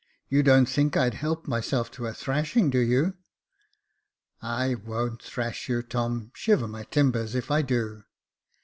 You don't think I'd help myself to a thrashing, do you ?" I won't thrash you, Tom. Shiver my timbers if I do."